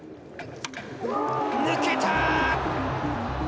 抜けた！